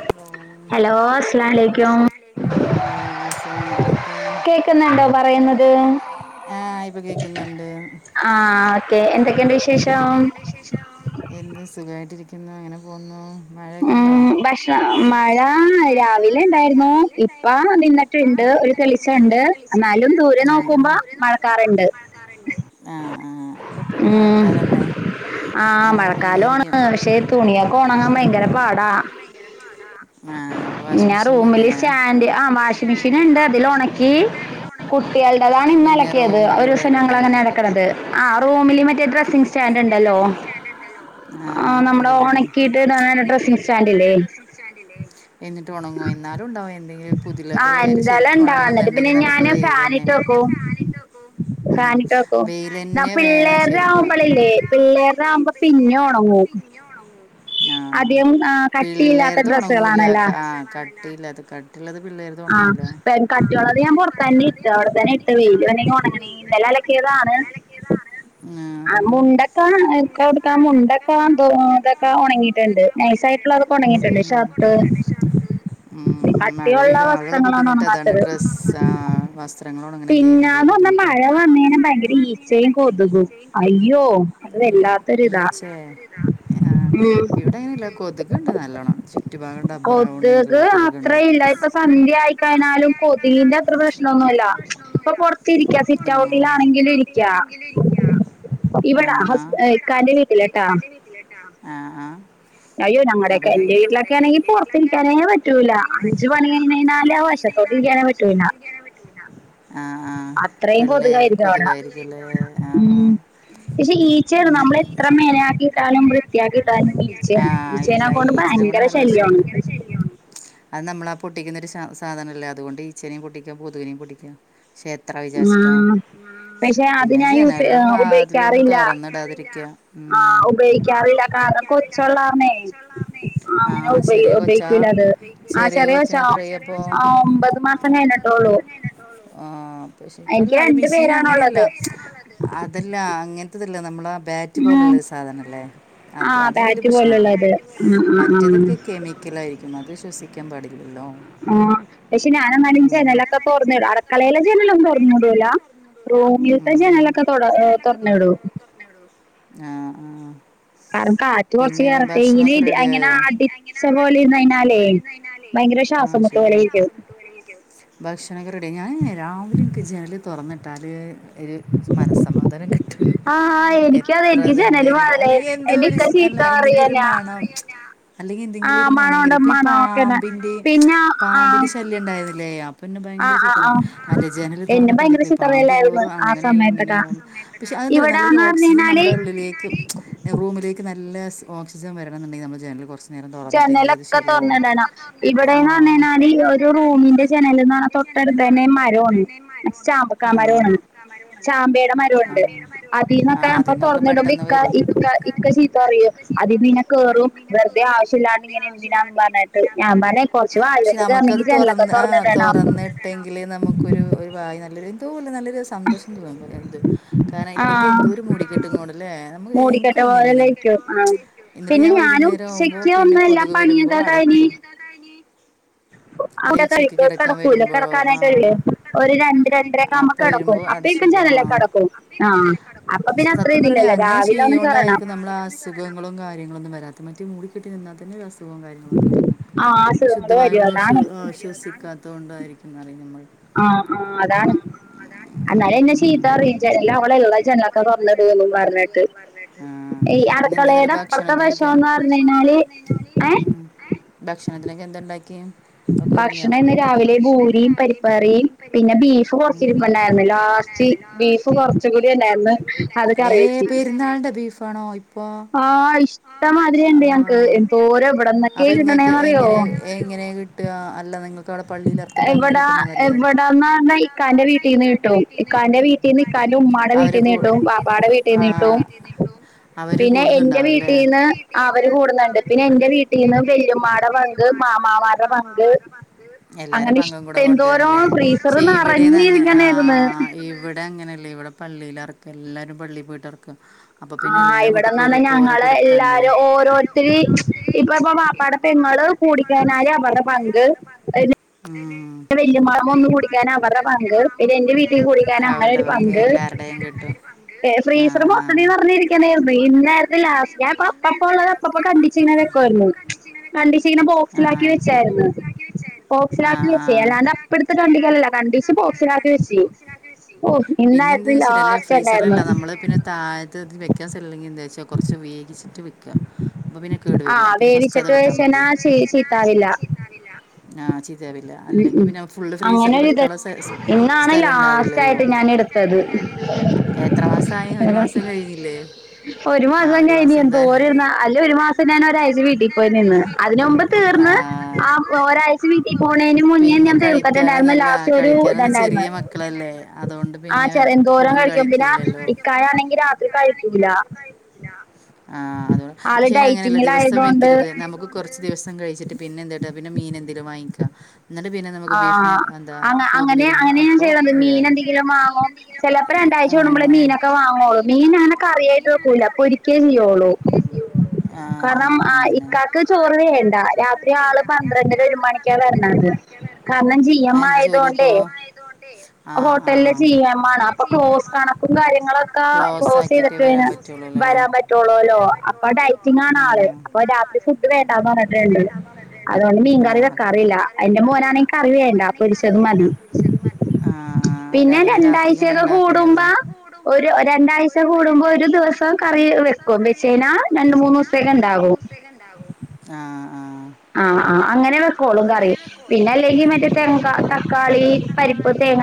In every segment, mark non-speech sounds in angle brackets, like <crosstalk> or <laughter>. Hello hello അസ്സലാ കേക്കുന്നുണ്ടോ പറയുന്നത് ആഹ് ഓക്കെ എന്തൊക്കെയുണ്ട് വിശേഷം സുഖമായിട്ടിരിക്കുന്നു അങ്ങനെ പോകുന്നു മഴയൊക്കെ ഉണ്ടോ ഭക്ഷണം മഴ രാവിലെ ഉണ്ടായിരുന്നു ഇപ്പ നിന്നിട്ടുണ്ട് ഒരു തെളിച്ചം ഉണ്ട് ഒരു തെളിച്ചെണ്ട് ന്നാലും ദൂരെ നോക്കുമ്പോ മഴക്കാർ ഇണ്ട് ഹാ ഹാ ഇപ്പോഴും മഴ ക്കാലല്ലേ ആഹ് മഴക്കാലം ആണ് പക്ഷെ തുണിയൊക്കെ ഒണങ്ങാൻ ഭയങ്കര പാടാ പിന്നാ റൂമില് സ്റ്റാൻഡ് ആഹ് വാഷിംഗ് മെഷീൻ ഉണ്ട് അതിൽ ഉണക്കി കു കുട്ടികളുടെതാണ് ഇന്ന് അലക്കിയത് ഒരു ദിവസം ഞങ്ങൾ അങ്ങനെ അലക്കണത് ആഹ് റൂമിൽ മറ്റേ ഡ്രസ്സിഗ് സ്റ്റാൻഡ് ഉണ്ടല്ലോ ല്ലോ ആ നമ്മള ഉണക്കിട്ട് നാന ഡ്രസ്സിംഗ് സ്റ്റാൻഡില്ലേ എന്നിട്ട് ഉണങ്ങുവ എന്നാലും ഉണ്ടാവോ എന്തെങ്കിലും പുതിലൊക്കെല്ലര് ശരിക്കും ഉണങ്ങില്ലെന്ന് എന്തേലും ഞാന് ഫാൻ ഇട്ട് വെക്കും ഫാൻഇട്ട് വെക്കും ഫാൻഇട്ട് വെക്കും നാ പിള്ളേരുടെ ആവുമ്പോളല്ലേ പിള്ളേരുടെ ആവുമ്പോ പിന്നെ ഉണങ്ങൂ ഉണങ്ങു അദ്യം കട് പിള്ളേരതും ഉണങ്ങൂലേ ആ കട്ടില്ലാത് കട്ട കട്ടിയുള്ളത് പിള്ളേരത് ഒണങ്ങൂല ആഹ് കട്ടിയുള്ളത് ഞാൻ പുറത്ത് തന്നെ ഇട്ട് അവിടെ തന്നെ ഇട്ട് വെയില് വരുമ്പോ <unintelligible> മുണ്ടക്ക <unintelligible> കൊടുക്ക മുണ്ടക്കെ <unintelligible> മുണ്ടക്ക ഉണങ്ങിയിട്ടൊണ്ട് നൈസാ യി നൈസായതൊക്കെ ഉള്ളത് ഉണങ്ങിയിട്ടുണ്ട് ഷർട്ട് ഉം ഉം മഴ പെയ്ത മഴയുള്ള ബുദ്ധിമുട്ട് അതാണ് ഡ്രസ്സ് ആ വസ്ത്രങ്ങളുണങ്ങണം എങ്കി നല്ല ബുദ്ധിമുട്ടാണ് ഈച്ചയും കൊതുകും അയ്യോ അത് വല്ലാത്തൊരിതാ ഉം ഇവിടെങ്ങനെ ഇല്ല കൊതുക് ഇണ്ട് നല്ലോണം ചു കൊതുക് അത്ര ഇല്ല ഇപ്പൊ സന്ധ്യ ആയിക്കഴിഞ്ഞാലും കൊതികിന്റെ അത്ര പ്രശ്നൊന്നും പ്രശ്നൊന്നുല്ല നമ്മള് പുറത്തിരിക്കാം സിറ്റ്ഔട്ടിലാണെങ്കിലും ഇരിക്കാം ആഹ് എവിട ഹസ് ഇക്കാന്റെ വീട്ടിൽ ഏട്ട ആഹ് ആഹ് അയ്യോ ഞങ്ങടെക്ക എന്റെ വീട്ടിലൊക്കെ ആണെങ്കിൽ വീട്ടിലൊക്കെ ആണെങ്കിൽ പുറത്തിരിക്കാനേ പറ്റൂല്ല അഞ്ചു മണി കഴഞ്ഞാല് ആ വശത്തോട്ടിരിക്കാനേ പറ്റൂല്ല ആഹ് ആഹ് പിള്ളേ കൊതുകായിരിക്കും അല്ലേ ആഹ് ആഹ് പക്ഷെ ഈച്ച നമ്മൾ എത്ര മേനയാക്കിയിട്ടാലും വൃത്തിയാക്കിയിട്ടാലും ഈച്ചയാണ് ഈച്ചേന കൊണ്ട് ഭയങ്കര ശല്യമാണ് അത് നമ്മളാ പൊട്ടിക്കുന്നൊരു സാധനല്ലേ അതുകൊണ്ട് ഈച്ചനേയും പൊട്ടികാം കൊതിക്നെയും പൊട്ടികാം പക്ഷേത്ര വിചാരിച്ചിട്ടാ പിന്നെ ജനലും വാതിലും തുറന്നിടാതിരിക്കുക ആഹ് ഉപയോഗിക്കാറില്ല കാരണം കൊച്ച് ഉള്ളതാന്നെ ആഹ് ചെറിയ കൊച്ചാ ചെറിയ കൊച്ചിനെ എത്രയി അപ്പൊ മാസം കഴിഞ്ഞട്ടുള്ളൂ ആഹ് അപ്പ ശെരി അല്ല അത് മെഷീൻ അങ്ങനെയല്ല അതല്ല അങ്ങനെ അതല്ല നമ്മള് ആ ബാറ്റ് പോലുള്ള സാധനം ഇല്ലേ അത് അതിന് വല്യ പ്രശ്നമില്ല മറ്റേതൊക്കെ കെമിക്കൽ ആയിരിക്കും അത് വിശ്വസിക്കാൻ പാടി ആഹ് പക്ഷെ ഞാനെങ്ങാനും ജനലൊക്കെ തുറന്നിടും അടക്കളേല ജനൽ ഒന്നും തുറന്നിടൂലാ റൂമിൽത്ത ജൽനലൊക്കെ തുറന്നിടും ആഹ് ആഹ് കാരണം കാറ്റ് കുറച്ച് കേറട്ടെ ആഹ് ഇങ്ങനെ അടിച്ച പോലെ നിന്നയിഞ്ഞാലേ ഭയങ്കര ശ്വാസമുട്ട് പോലെ ആയിരിക്കും ഭക്ഷണം ഒക്കെ റെഡിയായി ഞാൻ ഇങ്ങനെ രാവിലെ എനിക്ക് ജനൽ തുറന്നിട്ടാലേ ഒരു മനസ്സമാധാനം കിട്ടൂ എത്ര ഇതുണ്ടെങ്കിലും അല്ലെങ്കി എന്തോ ഒരു എന്തെങ്കിലും മണം അല്ലെങ്കി എന്തെങ്കിലും ഒരു മണം കേറും ഇപ്പൊ ഈ പാമ്പിൻ്റെയും പാമ്പിൻ്റെ ശല്യം ഇണ്ടാ ല്ലേയോ പിന്നെ ഭയങ്കര ചീത്ത പറയല് അതെ ജനൽ തുറന്നിട്ടാമതി പാമ്പ് കേറും അങ്ങനെ ഇങ്ങനെയാവും പക്ഷെ അതെന്താ ഒരു നല്ലൊരു ഓക്സിജൻ നമ്മുടെ ഉള്ളിലേക്ക് റൂമിലേക്ക് നല്ല ഓക്സിജൻ വരണമെന്നുണ്ടെങ്കിൽ നമ്മൾ ജനൽ കുറച്ച് ജനലൊക്കെ തുറന്നിടണം ഇവിടെന്ന് പറഞ്ഞ് കൈഞ്ഞാല് ഒരു റൂമിൻ്റെ ജനല് എന്ന് പറഞ്ഞാല് തൊ ട്ടടുത്ത് തന്നെ മരമാണ് ചാമ്പക്കാ മരമാണ് ചാമ്പേടെ മരമുണ്ട് ഇതീനൊക്കെ അപ്പം തുറന്നിടുമ്പം ഇക്ക ഇക്ക ഇക്ക ചീത്ത പറയും അതിന് ഇങ്ങനെ കേറും വെറു തെ ആവശ്യം ഇല്ലാണ്ട് ഇങ്ങനെ എന്തിനാണ് പറഞ്ഞിട്ട് ഞാൻ പറഞ്ഞേ കുറച്ച് വായുയൊക്കെ കേറണെങ്കിൽ ജനലൊക്കെ തുറന്നിടണം ന്നിട്ടെങ്കിൽ നമുക്കൊരു ഒരു വായു നല്ലൊരു എന്തോ ഒന്ന് നല്ലൊരു സന്തോഷം തോന്നുലെ ഇത് കാരണം ഇല്ലെങ്കിൽ എന്തോരം മൂടി കെട്ടൂന്നുണ്ടല്ലേ മൂടിക്കെട്ട പോലെല്ലേ ഇരിക്കും ആഹ് എന്നിട്ട് ഞാൻ വൈകുന്നേരം ആവുമ്പോ പിന്നെ കൊതുക് വരുമ്പോ അടക്കും <unintelligible> അവിടെ കഴ കെടക്കൂലെ കടക്കാനായിട്ട് വരില്ലേ ഒരു രണ്ട് രണ്ടാരെക്കേ ആവുമ്പ കെടക്കും അപ്പ ആയിരിക്കും ചെല ലെ കടക്കും ആഹ് അപ്പ പിന്നെ അത്രേ ഇതില്ലാലാ രാവിലെ ആകുമ്പ കേറണ കാര്യങ്ങളൊന്നും വരാത്ത മറ്റ് മൂടി കെട്ടി നിന്നാ തന്നെ രസം അസുഖവും കാര്യങ്ങളൊക്കെ വരുന്നത് ശുദ്ധ വായു ഒന്നും ശ്വസിക്കാത്തത് കൊണ്ടായിരിക്കെന്ന് നമ്മൾ ആഹ് അഹ് അതാണ് എന്നാലും എന്നെ ചീത്താ പറയും ജനൽ അവൾ ഉള്ള ജനലൊക്കെ തുറന്ന് ഇടും എന്ന് പറഞ്ഞിട്ട് ഈ അടുക്കളടെ ഭക്ഷണത്തിനൊക്കെ ഉം ഭക്ഷണത്തിനൊക്കെ എന്തണ്ടാക്കിയെ ഒക്കെ ഒരുങ്ങിയോ ഭക്ഷണം ഇന്ന് രാവിലെ പൂരിയും പരിപ്പ് കറിയും പിന്നെ ബീഫ് കുറച്ച് ഇരിപ്പ പിന്നെ ലാസ്റ്റ് ബീഫ് കുറച്ചുങ്ങുടി ഉണ്ടാർന്നു ഏഹ് പെരുന്നാളിന്റെ ബീഫാണോ ഇപ്പൊ ആ ഇഷ്ട്ടമാതിരിയുണ്ട് ഞങ്ങക്ക് എന്തോരോ എവിടന്നൊക്കെ കിട്ടണേന്നറിയോ ആ അല്ല നിങ്ങൾക്ക് അപ്പ പള്ളിയിൽ അറുത്തിട്ട് അങ്ങനെ കിട്ടുന്നതല്ലേ. ഇവിടെ ഇവടന്നാ പറഞ്ഞ ഇക്കാൻ്റെ വീട്ടിന് കിട്ടും ഇക്കാൻ്റെ എൻ്റെ ഉമ്മാടെ വീട്ടിന്ന് കിട്ടും വാപ്പാടെ വീട്ടിന്ന് കിട്ടും പിന്നെ എന് എന്റെ വീട്ടീന്ന് അവര് കൂടുന്നുണ്ട് പിന്നെ എന്റെ വീട്ടിന്ന് വെല്ലുമാടെ പങ്ക് മാമാമാരുടെ പ മാമ്മാറ്ടെ പങ്ക് എല്ലാരും പങ്കും കൂടെ കൊണ്ടുവരണല്ലേ പക്ഷെ ഇവിടെന്ന് ആ ആ ഇവിടെ ഇവിടെ അങ്ങനെയല്ലേ ഇവിടെ പള്ളിയിൽ അറക്ക എല്ലാരും പള്ളി പോയിട്ട് അറക്ക ആഹ് ഇവിടെ ഞങ് ങ്ങൾ എല്ലാരും ഓരോരുത്തരു ഇപ്പ ഇപ്പ വാപ്പാടെ പെങ്ങൾ കൂടിക്കയിഞാൽ അവരുടെ പ ങ്ക് വെല്ലുമ്മാടെ <unintelligible> കൂടി കഴിഞ്ഞാൽ അവരുടെ പങ്ക് പിന്നെ എൻ്റെ വീട്ടിൽ കൂടി കഴിഞ്ഞാൽ അങ്ങനെ ഒരു പങ്ക് ഉം ആ ഏ ഫ്രീസർ മൊത്തതി നറഞ്ഞിരിക്കാനായിരുന്നു. ഇന്ന ടിത്തില്ല ആ പ്പ അപ്പ ഉള്ളത് അപ്പപ്പൊ കണ്ടിച്ചിങ്ങനെ? വെക്കുമായിരുന്നു. കണ്ടിച്ചിന ബോക്സിലാക്കി വെച്ചായിരുന്നു. ബോക്സിലോ ആ പിന്നെന്താ വച്ചാല് ഫ്രീസറില്ല. നമ്മള് പിന്നെ? താഴത്ത് വെക്കാൻ സ്ഥലല്ലെങ്കി ദേശം. കൊറച്ച് വേകിച്ചിട്ട് വെക്ക അപ്പപിന്നെ കേടു വരില്ല. പിന്നെ ഫസ്റ്റ് അത് എടുത്താ മതി. ആ ചീത്തയാവില്ല. അല്ലെങ്കിൽ പിന്നെ ഫുള്ള് ഫ്രീസറിൽ വെക്കാനുള്ള സ്ഥല സ്ഥലവുണ്ടാവില്ലല്ലോ. എത്ര മാസം ആയി ഒരു മാസം കഴിഞ്ഞില്ലേ. ഒരു മാ മാസ ഇ എ പോറിന്നു അല്ല ഒരു മാസം ഞാൻ ഒരാഴ്ച വീട്ടിൽ പോയി നിന്നു. അതിന് മുമ്പ് തീർന്ന്. ആ ഒരാഴ്ച വീട്ടി പിന്നെ കഴിക്കാനന്നല്ല കഴിക്കാനൊന്നു ചെറിയ മക്കളല്ലേ? അതുകൊണ്ട്? പിന്നെ ന്തോരം കഴിക്കും. പിന്നെ? ഇക്കായ ആണെങ്കി രാത്രി കഴിക്കൂല. ആ അതോ പക്ഷെ ഇനി അങ്ങനെയല്ല ദിവസം വെക്കരുത്. നമുക്ക് കുറച്ച് ദിവസം കഴിച്ചിട്ട്. പിന്നെ എന്താട്ടാ പിന്നെ മീന് എന്തെങ്കിലും വാങ്ങിക്ക. എന്നിട്ട് പിന്നെ നമുക്ക് ബീഫന് എന്താ പൂതി വരുമ്പോ അപ്പോ അത് രണ്ടാഴ്ച കുടുമ്പ ളെ മീനൊക്കെ വങ്ങോള്ളു മീനങ്ങനെ കറിയായിട്ട് വക്കൂല്ല. ആ ആ ങ്ങിനെ പന്ത്രണ്ടര ഒരു മണിക്കാണ് വരണത്. കാരണം ജി എം ആയത് കൊണ്ടേ ഹോട്ടലില് ജി എം ആണ്. അപ്പൊ ക്ലോസ് കണക്കും. കാര്യങ്ങളൊക്ക ക്ലോസ് ചെയ്തിട്ടുന വരാൻ പറ്റുള്ളല്ലോ അപ്പൊ ഡയറ്റിംഗ് ആണ് ആള്. അപ്പൊ രാത്രി ഫുഡ് വേണ്ടന്ന് പറഞ്ഞിട്ടുണ്ട്. ആ അതെയാ ആ ആ രാ തൊണ്ട് രാത്രിക്ക് ഒന്നും ഇണ്ടാക്കണ്ടല്ലോ. ഒരു രണ്ടാഴ്ച കൂടുമ്പോ ഒരു കൂടുമ്പോ ഒരു ദിവസം കറി വെക്കും ബച്ചന രണ്ട മൂന്ന് ദിവസക്ക ഉണ്ടാവും. ആ <unintelligible> ആ ആ അങ്ങനെ വെക്കോളും കറി പിന്നെ അല്ലെങ്കിൽ മറ്റേ തേങ്ക തക്കാളി, പരിപ്പ്, തേങ്ങ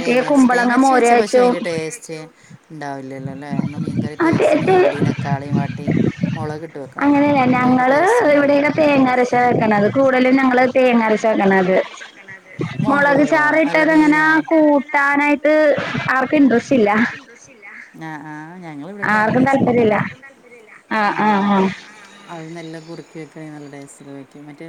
തേങ്ങരച്ച് തേങ്ങരച്ച വെച്ച് പക്ഷെ അതിന്റെ ടേസ്റ്റ് ണ്ടാ വില്ലല്ലോ അല്ലേ. ന്ന മീൻകറി ടേസ്റ്റ് ഉണ്ടെങ്കിൽ ഉള്ളി, തക്കാളിയും വാട്ടി മുളക് ഇട്ട് വെക്കണം. അപ്പോ അതിന്റെ ടേസ്റ്റ് വിടെ തേങ്ങരച്ച് വെക്കണത്. കൂടുതല് ഞങ്ങള് തേങ്ങരച്ച വെക്കണത്. മുളക് ച്ചാറിട്ടത്ങ്ങനെ കൂട്ടാനായിട്ട് ആർക്കും ഇൻറ്രസ്റ്റ് ഇല്ല. ആ ആഹ ഞങ്ങടെ ഇവിടക്ക അങ്ങനെ ചെയ്യാം. ആ അത് നല്ല കുറുക്കി വെക്കണ് നല്ല ടെസ്റ്റിൽ വെക്കും. മറ്റേ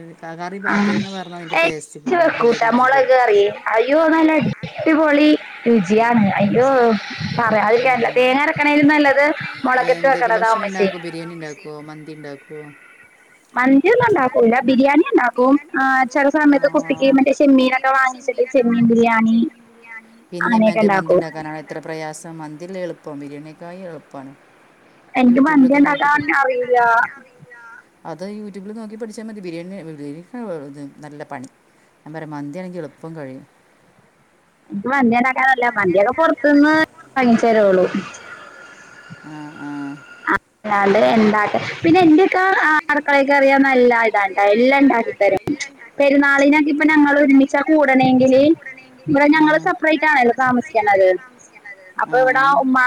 ആ വെ ക്കൂട്ടാ മുളക് കറി അയ്യോ നല്ല അടിപൊളി രുചിയാണ്. അയ്യോ!. പറയാ അതൊക്ക ല്ല തേങ്ങരക്കണേൽ നല്ലത് മുളകിട്ട് വെക്കണതാ മ്മശേ ന്തി ഉണ്ടാക്കോ മന്തി ഒന്നും ഉണ്ടാക്കൂല്ല ബിരിയാണി ഉണ്ടാക്കും. ആ ചെല സമയത്ത് കുട്ടിക്ക് മറ്റേ ചെമ്മീനൊക്കെ വാങ്ങി പിന്ന എന്റെ മന്തി ഉണ്ടാക്കാനാണ് എത്ര പ്രയാസം. മന്തി തല്ലേ എളുപ്പം ബിരിയാണിക്കായ എളുപ്പമാണ് എനിക്ക് മന്തി ഉണ്ടാക്കാൻ അറിയില്ല. അത് യൂട്യൂബിൽ നോക്കി പഠിച്ചാൽ മതി. ബിരിയാണി ബിരിക്കാ വെറെ നല്ല പണി. ഞാൻ പറയാം മന്തിയാണെങ്കിൽ എളുപ്പം കഴിയും. എനിക്ക് മന്തി ണ്ടാക്കാനല്ല ക മന്തിയക്കെ പൊറത്തുന്ന് വാങ്ങിച്ച് തരേള്ളു. ആ ആ <unintelligible> പിന്നെ എന്റെക്ക ആ അടുക്കളയിൽക്കയറിയൽ. നല്ല ഇതാണ്ട എല്ലാം ഇണ്ടാക്കി തരും. പെരുന്നാളി ഇതിനൊക്കെ ഇപ്പ ഞങ്ങൾ ഒരുമിച്ചാ കൂടണെങ്കിൽ. ഇവിടെ ഞങ്ങള് സെപ്പറേറ്റ് ആണല്ലോ? താമസിക്കണത്. അപ്പൊ ഇവിടെ ഉമ്മ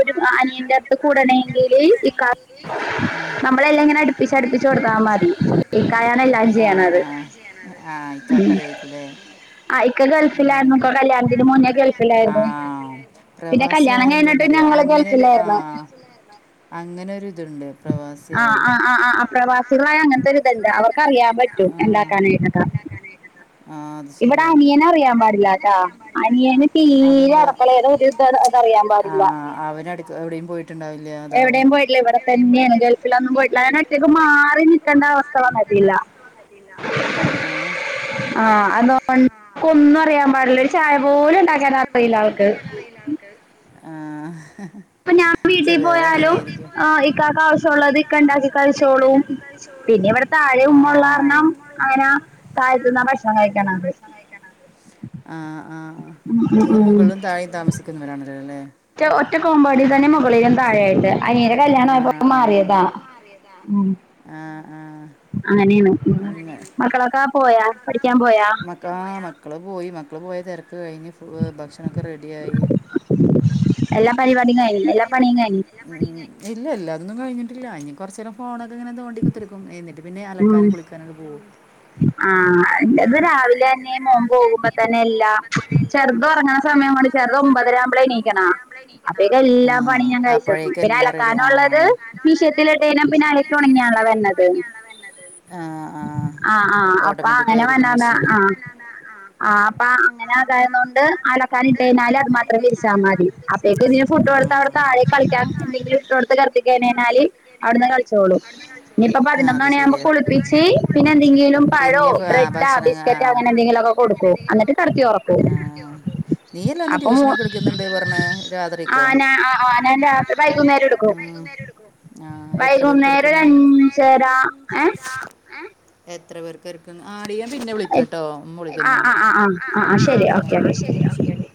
ഒരു അനിയന്റെ അടുത്ത് കൂടണെങ്കില് ഇക്ക നമ്മളെല്ലാം ഇങ്ങനെ അടുപ്പിച്ച അടുപ്പിച്ചച്ച് കൊടുത്താ മതി ഈ കായണോ എല്ലാംഞ്ച്യണോ അത് ആഹ് ഇക്ക കറയിക്കൂല ആ ഇക്ക ഗൾഫിലായിരുന്നു ഇക്ക കല്യാണത്തിന് മുന്നേ ഗൾഫിലായിരുന്നു പിന്നെ കല്യാണം കഴിഞ്ഞിട്ട് അ അങ്ങനെരു ആ <inaudible> അങ്ങനെൊ ഒരു ആ ആ ആ ആ പ്രവാസികളായ അങ്ങനെ അവർക്ക് അറിയാൻ പറ്റുംണ്ടാക്കാനായിട്ടക്ക ഇവിടെ അനിയനെ അറിയാം പാടില്ലാ അനിയേന് തീരെ അടക്കളയുടെ ഒരു ഇത് അതറിയാൻ പാടില്ല എവിടെയും പോയിട്ടുണ്ടാവില്ലേ എവിടെേയും പോയിട്ടില്ല ഇവിടെ തന്നെയാണ് ഗൾഫിലൊന്നും പോയിട്ടില്ല അൻ ഒറ്റയ്ക്ക് മാറി ക്കണ്ട അവസ്ഥ വന്നത്തിയില്ല ആഹ് അതുകൊണ്ട് ഒന്നും അറിയാൻ പാടില്ല ഒരു ചായ പോലും ഉണ്ടാക്കാൻ അറിയില്ല ആൾക്ക് ആ പ്പോ ഞാൻ വീട്ടിൽ പോയാലും ഇക്കാക്ക് ആാവശ്യംള്ളത് ഇക്ക ഉണ്ടാക്കി കഴിച്ചോളൂ പിന്നെ ഇവിടെ താഴെ ഉമ്മള്ളർണം അങ്ങനെ താഴ്ത്തന്ന ഭക്ഷണം കഴിക്കാനത് ഉ ആ്ഹ് ആഹ് നിങ്ങളും മുകളിലും താഴെയും താമസിക്കുന്നവരാണല്ലോല്ലോ ഒറ്റ ഒറ്റ കോമ്പേഡി തന്നെ മുകളിലും താഴെയായിട്ട് അനിയയുടെ കല്യാണ ആയപ്പോ മാറിയതാ ഉം അങ്ങനെയാണ് അങ്ങ മക്ക മക്കള് പോയി മക്കള് പോയ തിരക്ക് ഭക്ഷണൊക്കെ റെഡിയായി എല്ലാ പരിപാടിയും കയിഞ്ഞിലെ എല്ലാ പണിയും കഴന ഒന്നും കഴിട്ടില്ലനി കുറച്ച നേരം ഫോണക്കെ ഇങ്ങെ തോണ്ടിക്ക കൊത്തിടുക്കും ഇനി കക്കാനും കുളിക്കാനൊക്കെ പോകവും ആഹത് രാവിലെ തന്നെ മോൻപ് പോകുമ്പോ തന്നെല്ലാ ചെറുത ഉറങ്ങണ സമയം കൊണ്ട് ചെറുത ഒറങ്ന സമയം കൊണ്ട് ചെറുത് ഒമ്പതരരാുമ്പളേ നീക്കണാ അപ്പൊേക്ക എല്ലാം പണി ഞാൻ കഴിച്ചക്കും പിന്നെ അലക്കാന ഉള്ളത് മീഷത്തിടേനും പിന്നെ അലക്ക്ണങ്ങിയുള്ള വന്നത് ആഹ ആഹ ആ അപ്പൊ അങ്ങനെ വന്നന്നാ ആ ആ അപ്പ അങ്ങനെ അതായതുകൊണ്ട് അലക്കാനിട്ട കഴിഞ്ഞാല് അത് മാത്രം വിരിച്ചാൽ മതി അപ്പേക്കും ഇ ഫുടടുത്ത് അവിടെ താഴെ കളിക്കൻ എന്തെങ്കിലും ഇട്ടടുത്ത് കഴാല് അവിടുന്ന് കളിച്ചോളൂ അപ്പ പതിനൊന്നു മണിയാകുമ്പോൾ കുളിപ്പിച്ച് പിന്നെന്തെങ്കിലും പഴോ ബ്രെഡാ ബിസ്ക്കറ്റ് അങ്ങനെ എന്തെങ്കിലുമൊക്കെ കൊടുക്കോ എന്നിട്ട് കടത്തി ഉറക്കോ അപ്പൊ ആന ആനൻ രാത്രി വൈകുന്നേരെം എടുക്കും നേരടുക്കോ വൈകുന്നേരം ഒരഞ്ചരാ ഏ എത്ര പേർക്കക്ക ആ ടി ഞാൻ പിന്നെ വിളിക്കട്ടോ ഉമ്മ വിളിക്കുന്നുണ്ട് ആ ആ ആ അ ശെരി ഓക്കേ ഓകെ